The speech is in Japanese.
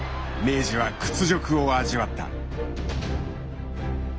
明治は屈辱を味わった。